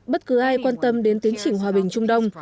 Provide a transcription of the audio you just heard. bất cứ ai quan tâm đến tiến trình hòa bình trung đông